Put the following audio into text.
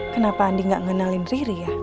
kenapa andi gak mengenalin riri ya